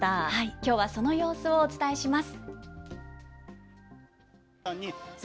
きょうはその様子をお伝えします。